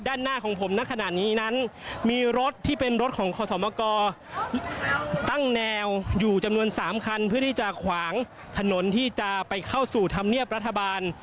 ด้านหน้าของผมณขณะนี้นั้นมีรถที่เป็นรถของขอสมกตั้งแนวอยู่จำนวน๓คันเพื่อที่จะขวางถนนที่จะไปเข้าสู่ธรรมเนียบรัฐบาล